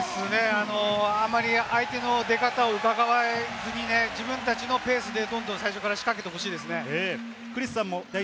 あまり相手の出方を疑わずに自分たちのペースで最初から仕掛けてほしいですね。